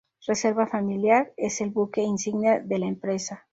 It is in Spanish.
Reserva Familiar: Es el buque insignia de la empresa.